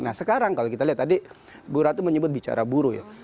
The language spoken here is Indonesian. nah sekarang kalau kita lihat tadi bu ratu menyebut bicara buruh ya